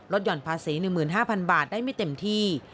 หย่อนภาษี๑๕๐๐๐บาทได้ไม่เต็มที่